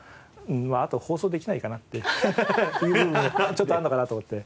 あと放送できないかなっていう部分もちょっとあるのかなと思って。